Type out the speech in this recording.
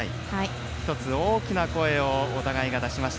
１つ大きな声をお互いが出しました。